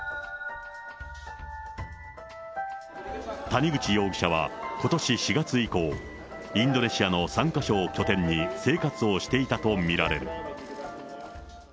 谷口容疑者はことし４月以降、インドネシアの３か所を拠点に生活をしていたと見られる。